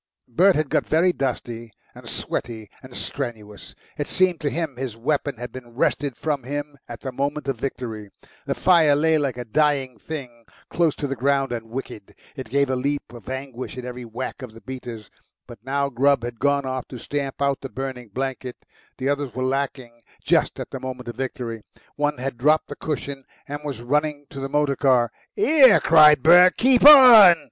Bert had got very dusty and sweaty and strenuous. It seemed to him his weapon had been wrested from him at the moment of victory. The fire lay like a dying thing, close to the ground and wicked; it gave a leap of anguish at every whack of the beaters. But now Grubb had gone off to stamp out the burning blanket; the others were lacking just at the moment of victory. One had dropped the cushion and was running to the motor car. "'ERE!" cried Bert; "keep on!"